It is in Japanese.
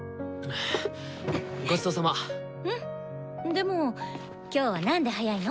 でも今日はなんで早いの？